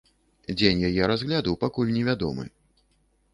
Дзень яе разгляду пакуль невядомы.